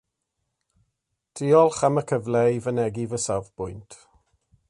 Diolch am y cyfle i fynegi fy safbwynt